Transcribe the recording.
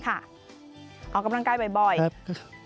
ออกกำลังกายบ่อย